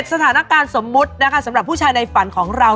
สถานการณ์สมมุตินะคะสำหรับผู้ชายในฝันของเรา